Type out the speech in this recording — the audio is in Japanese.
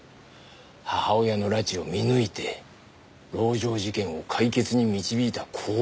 母親の拉致を見抜いて籠城事件を解決に導いた功労者だってよ。